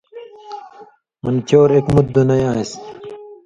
منہ چور اک مُتیۡ دُنئ آن٘سیۡ